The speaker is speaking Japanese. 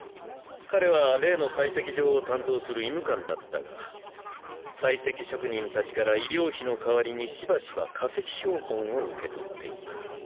彼は例の採石場を担当する医務官だったが採石職人たちから医療費の代わりにしばしば化石標本を受け取っていた。